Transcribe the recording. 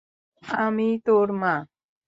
আমিই তোর মা।